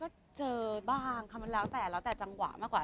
ก็เจอบ้างค่ะมันแล้วแต่แล้วแต่จังหวะมากกว่า